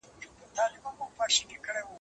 زموږ نصیب به هم په هغه ورځ پخلا سي